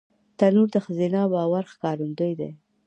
تنور د ښځینه باور ښکارندوی دی